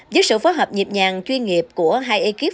với sự phối hợp nhịp nhàng chuyên nghiệp của hai ekip